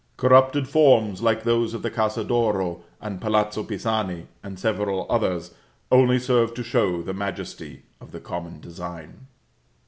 Corrupted forms, like those of the Casa d'Oro and Palazzo Pisani, and several others, only serve to show the majesty of the common design.